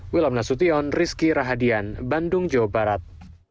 wilam nasution rizky rahadian bandung jawa barat